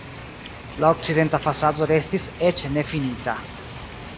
La okcidenta fasado restis eĉ nefinita.